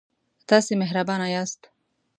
تاسې مهربانه یاست.